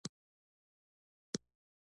کريم له ډاره ورته ونه ويل